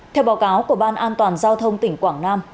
theo báo cáo của ban an toàn giao thông tỉnh quảng nam